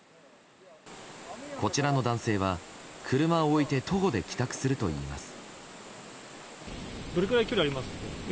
こちらの男性は、車を置いて徒歩で帰宅するといいます。